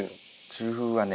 中風はね